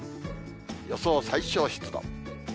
予想最小湿度。